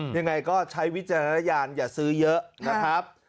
ยังไงก็ใช้วิจารณญาณอย่าซื้อเยอะนะครับ